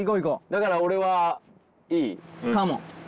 だから俺はいい？